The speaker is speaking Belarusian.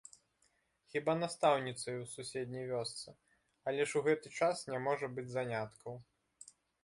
Хіба настаўніцаю ў суседняй вёсцы, але ж у гэты час не можа быць заняткаў.